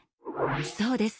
そうです。